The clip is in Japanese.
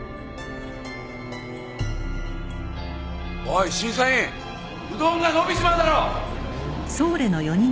おい審査員うどんが伸びちまうだろ。